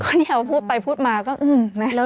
ก็นี่พูดไปพูดมาก็อื้อแล้ว